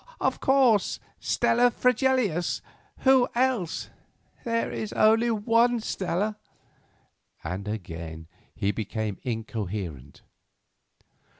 "Of course, Stella Fregelius—who else? There is only one Stella," and again he became incoherent.